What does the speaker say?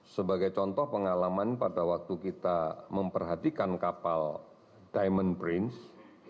sebagai contoh pengalaman pada waktu kita memperhatikan kapal diamond prince